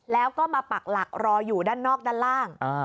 แล้วก็มาปักหลักรออยู่ด้านนอกด้านล่าง